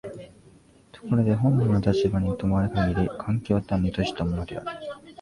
ところで本能の立場に止まる限り環境は単に閉じたものである。